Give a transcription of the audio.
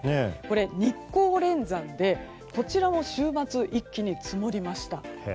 日光連山で、こちらも週末一気に積もりました。